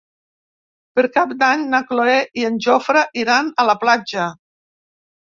Per Cap d'Any na Cloè i en Jofre iran a la platja.